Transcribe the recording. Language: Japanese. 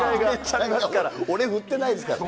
俺、振ってないですから。